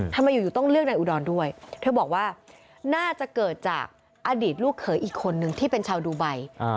ทำไมอยู่อยู่ต้องเลือกนายอุดรด้วยเธอบอกว่าน่าจะเกิดจากอดีตลูกเขยอีกคนนึงที่เป็นชาวดูไบ